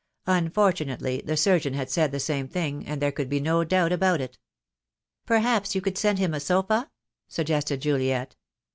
Unfortunately, the surgeon had said the same thing, and there could be no doubt about it. "Perhaps you could send him a sofa?" suggested Juliet.